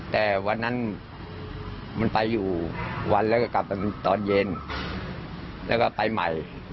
แต่วันนั้นมันไปอยู่วันแล้วก็กลับมาตอนเย็นแล้วก็ไปใหม่